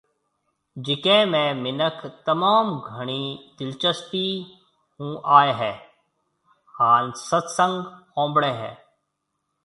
جڪيَ ۾ منک تموم گھڻِي دلچسپِي آئيَ هيَ هان ست سنگ ھونڀڙيَ هيَ